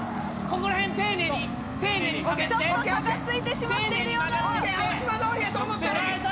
ここらへん丁寧にちょっと差がついてしまっているようだ